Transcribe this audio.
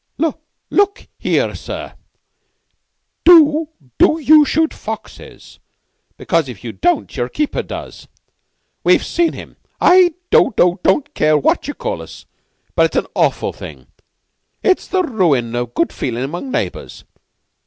"Lo look here, sir. Do do you shoot foxes? Because, if you don't, your keeper does. We've seen him! I do don't care what you call us but it's an awful thing. It's the ruin of good feelin' among neighbors.